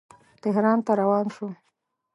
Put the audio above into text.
تهران ته روان شو.